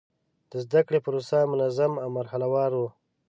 د زده کړې پروسه منظم او مرحله وار وه.